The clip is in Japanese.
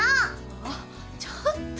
あっちょっと。